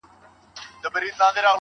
په دوزخي غېږ کي به یوار جانان و نه نیسم